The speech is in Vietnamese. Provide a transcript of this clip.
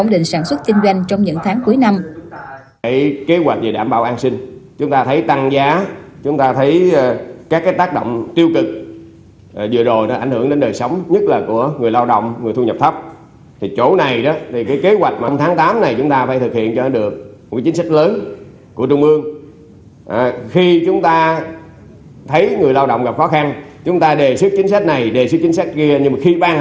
đề xuất chính sách này đề xuất chính sách kia nhưng mà khi ban hành chính sách rồi chúng ta thực hiện rất chậm